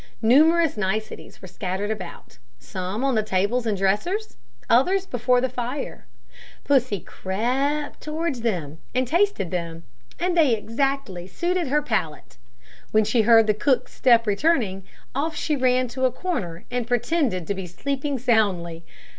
Numerous niceties were scattered about, some on the tables and dressers, others before the fire. Pussy crept towards them, and tasted them; they exactly suited her palate. When she heard the cook's step returning, off she ran to a corner and pretended to be sleeping soundly.